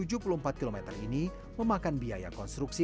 jalan tol sepanjang tujuh puluh empat km ini memakan biaya konstruksi